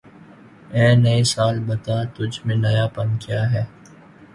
اے نئے سال بتا، تُجھ میں نیا پن کیا ہے؟